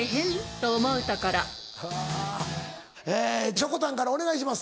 しょこたんからお願いします。